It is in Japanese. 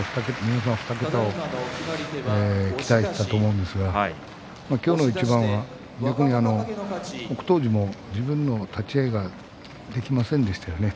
２桁を期待していたと思うんですが今日の一番が逆に北勝富士も自分の立ち合いができませんでしたね。